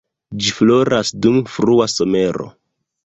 Ĝi floras dum frua somero.